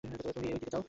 তুমি, ওইদিকে যাও।